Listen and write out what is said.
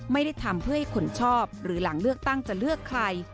ไม่ได้ทำเพื่อให้คนชอบหรือหลังเลือกตั้งจะเลือกใคร